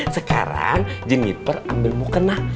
sekarang jeniper ambil mukena